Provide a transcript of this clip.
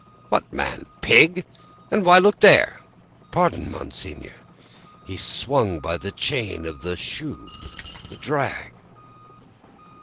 "What man, pig? And why look there?" "Pardon, Monseigneur; he swung by the chain of the shoe the drag."